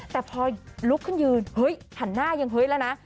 แต่พอลุกขึ้นยืนเฮ้ยหันหน้ายังเฮ้ยแล้วนะ